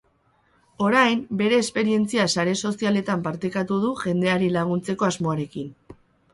Orain, bere esperientzia sare sozialetan partekatu du jendeari laguntzeko asmoarekin.